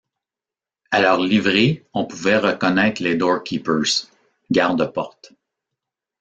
À leur livrée on pouvait reconnaître les door-keepers, « gardes-portes ».